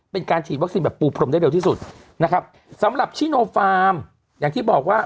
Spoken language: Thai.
เป็นการฉีดวัคซีนแบบปูพรมได้เร็วที่สุดนะครับสำหรับชิโนฟาร์มอย่างที่บอกว่า